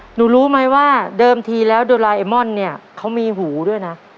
หนูรู้ไหมว่าเดิมทีแล้วโดราเอมอนเนี่ยเขามีหูด้วยนะ